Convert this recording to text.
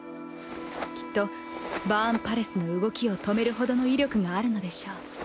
きっとバーンパレスの動きを止めるほどの威力があるのでしょう。